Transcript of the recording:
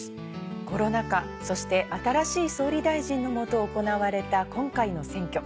コロナ禍そして新しい総理大臣の下行われた今回の選挙。